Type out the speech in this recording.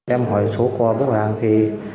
em hỏi số của bức hàng thì